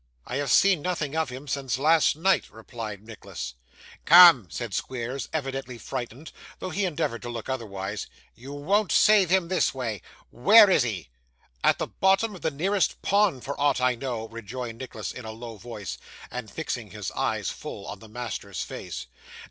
'I have seen nothing of him since last night,' replied Nicholas. 'Come,' said Squeers, evidently frightened, though he endeavoured to look otherwise, 'you won't save him this way. Where is he?' 'At the bottom of the nearest pond for aught I know,' rejoined Nicholas in a low voice, and fixing his eyes full on the master's face.